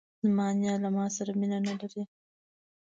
زما نیا له ماسره مینه نه لري.